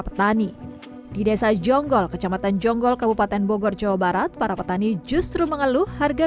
petani di desa jonggol kecamatan jonggol kabupaten bogor jawa barat para petani justru mengeluh harga